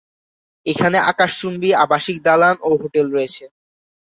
এখানে আকাশচুম্বী আবাসিক দালান ও হোটেল রয়েছে।